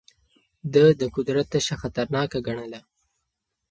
ده د قدرت تشه خطرناکه ګڼله.